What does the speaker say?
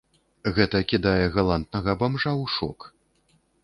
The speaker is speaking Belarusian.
Гэта кідае галантнага бамжа ў шок.